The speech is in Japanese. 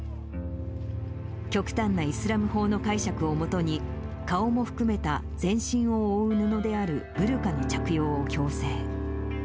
極端なイスラム法の解釈をもとに、顔も含めた全身を覆う布であるブルカの着用を強制。